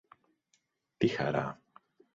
Τι χαρά!